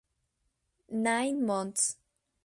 Nine Months